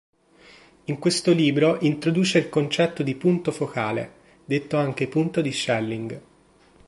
In questo libro introduce il concetto di "punto focale", detto anche "punto di Schelling".